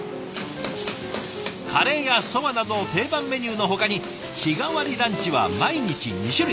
カレーやそばなど定番メニューのほかに日替わりランチは毎日２種類。